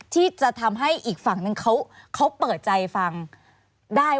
ที่จะทำให้อีกฝั่งนึงเขาเปิดใจฟังได้